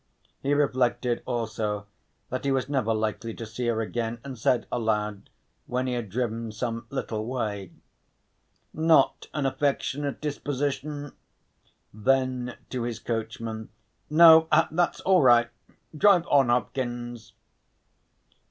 He reflected also that he was never likely to see her again and said aloud, when he had driven some little way: "Not an affectionate disposition," then to his coachman: "No, that's all right. Drive on, Hopkins."